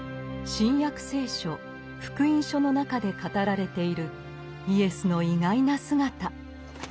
「新約聖書福音書」の中で語られているイエスの意外な姿。